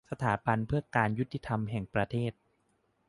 สถาบันเพื่อการยุติธรรมแห่งประเทศ